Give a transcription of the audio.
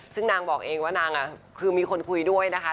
ซึ่งนางบอกเองว่านางคือมีคนคุยด้วยนะคะ